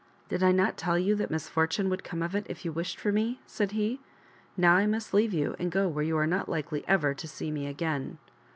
" Did I not tell you that misfortune would come of it if you wished for me ?" said he. " Now, I must leave you and go where you are not likely ever to see me again."